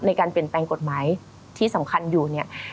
ในการเปลี่ยนแปลงกฎหมายที่สำคัญอยู่เนี่ย